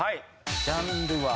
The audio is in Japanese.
ジャンルは。